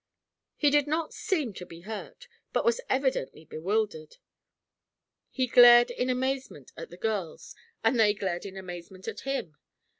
He did not seem to be hurt, but was evidently bewildered. He glared in amazement at the girls and they glared in amazement at him.